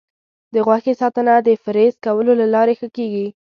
د غوښې ساتنه د فریز کولو له لارې ښه کېږي.